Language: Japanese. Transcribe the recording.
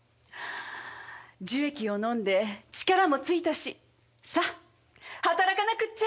樹液を飲んで力もついたしさあ働かなくっちゃ！